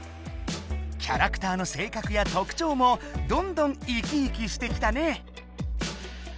キャラクターの性格や特ちょうもどんどん生き生きしてきたね！